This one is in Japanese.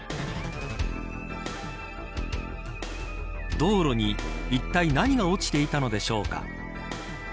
道路に、いったい何が落ちていたのでしょうか。